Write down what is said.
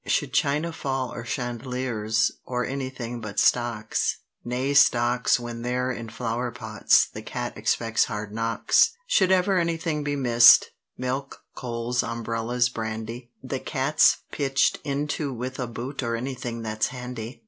Should china fall or chandeliers, or anything but stocks— Nay stocks, when they're in flowerpots—the cat expects hard knocks: Should ever anything be missed—milk, coals, umbrellas, brandy— The cat's pitch'd into with a boot or any thing that's handy.